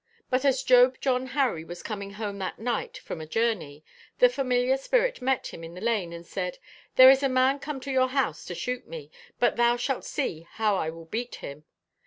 But as Job John Harry was coming home that night from a journey, the familiar spirit met him in the lane and said, 'There is a man come to your house to shoot me, but thou shalt see how I will beat him.'